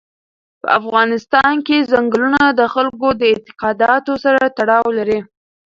په افغانستان کې ځنګلونه د خلکو د اعتقاداتو سره تړاو لري.